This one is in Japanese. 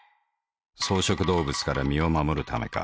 草食動物から身を護るためか。